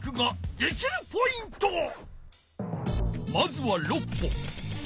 まずは６歩。